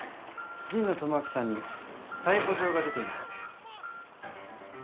神野智明さんに逮捕状が出ています。